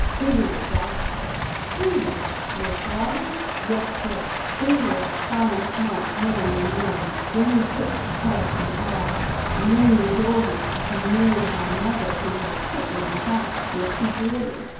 He were a doctor." " Who was — your father ?"" Yes sir, he were a fine smart man when young. Then he took to passing the bottle, and, when he was older, he married my mother who were cook in the house where he boarded.